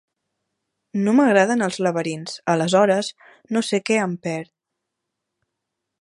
No m'agraden els laberints, aleshores no sé què em perd.